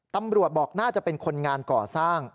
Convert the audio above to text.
ตำรวจบอกน่าจะเป็นคนงานก่อสร้าง